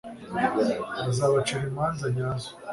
azabacira imanza nyazo